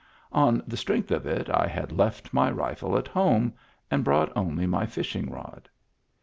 On the strength of it I had left my rifle at home and brought only my fishing rod.